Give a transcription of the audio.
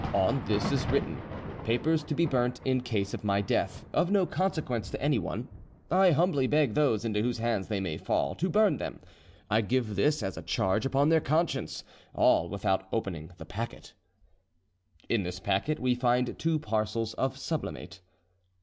On this is written: 'Papers to be burnt in case of my death, of no consequence to anyone. I humbly beg those into whose hands they may fall to burn them. I give this as a charge upon their conscience; all without opening the packet.' In this packet we find two parcels of sublimate.